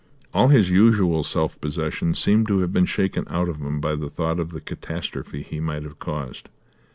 All his usual self possession seemed to have been shaken out of him by the thought of the catastrophe he might have caused.